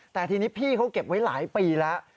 แต่ทีนี้พี่เขาเก็บไว้หลายปีแล้ว